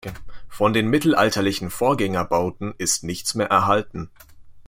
Von den mittelalterlichen Vorgängerbauten ist nichts mehr erhalten.